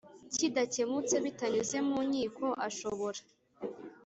kidakemutse bitanyuze mu nkiko ashobora